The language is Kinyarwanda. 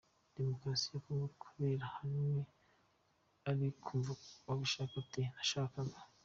Demokarasi ya Kongo kubera ahanini ko ari ko yumvaga abishaka ati Nashakaga.